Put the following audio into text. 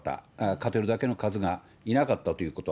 勝てるだけの数がいなかったということ。